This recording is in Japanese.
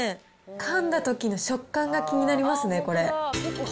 かんだときの食感が気になりますね、これ。